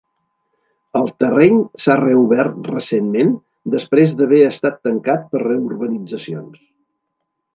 El terreny s'ha reobert recentment després d'haver estat tancat per reurbanitzacions.